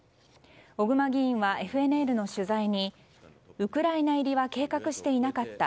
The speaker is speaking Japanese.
小熊議員はＦＮＮの取材にウクライナ入りは計画していなかった。